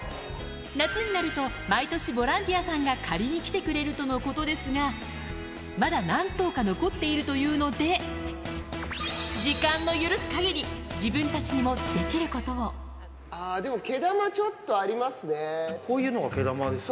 夏になると、毎年、ボランティアさんが刈りに来てくれるとのことですが、まだ何頭か残っているというので、時間の許すかぎり、自分たちにもできるこでも、毛玉、ちょっとありまこういうのが毛玉ですか。